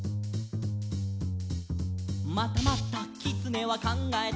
「またまたきつねはかんがえた」